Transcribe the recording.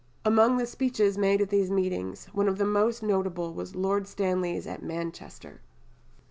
Among the speeches made at these meetings, one of the most notable was Lord Stanley's at Manchester.